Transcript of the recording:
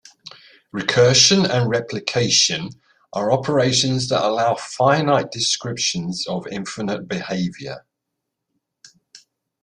"Recursion" and "replication" are operations that allow finite descriptions of infinite behaviour.